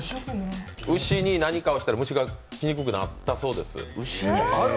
牛に何かをしたら虫が来にくくなったそうです。